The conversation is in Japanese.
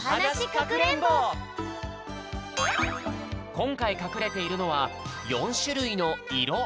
こんかいかくれているのは４しゅるいのいろ。